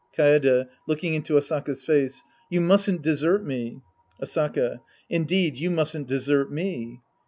Kaede {looking into Asakds face). You mustn't desert me. Asaka. Indeed, you mustn't desert me.